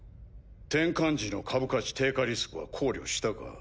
転換時の株価値低下リスクは考慮したか？